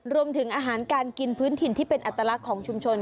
รวมถึงอาหารการกินพื้นถิ่นที่เป็นอัตลักษณ์ของชุมชน